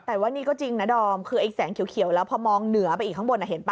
แต่ว่านี่ก็จริงนะดอมคือไอ้แสงเขียวแล้วพอมองเหนือไปอีกข้างบนเห็นป่